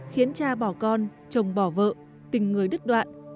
khiến cha bỏ con chồng bỏ vợ tình người đứt đoạn